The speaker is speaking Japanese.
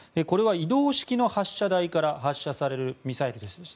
これは移動式の発射台から発射されるミサイルです。